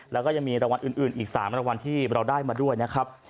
แล้วก็ยังมีรางวัลอื่นอีก๓รางวัลที่เราได้มาด้วยนะครับ